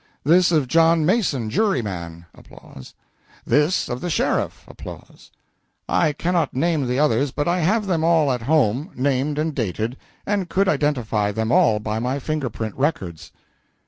] This, of John Mason, juryman. This, of the sheriff. I cannot name the others, but I have them all at home, named and dated, and could identify them all by my finger print records."